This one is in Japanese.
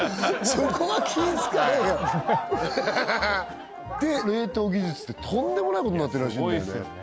そこは気ぃ使えよで冷凍技術ってとんでもないことになってるらしいんだよね